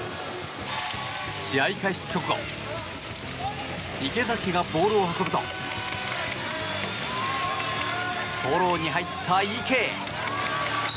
試合開始直後池崎がボールを運ぶとフォローに入った池へ。